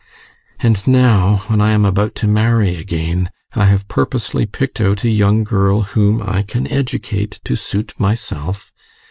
And now, when I am about to marry again, I have purposely picked out a young girl whom I can educate to suit myself.